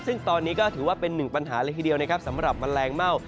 ซึ่งตอนนี้ก็ถือว่าเป็นหนึ่งปัญหาสำหรับแมลงเม่า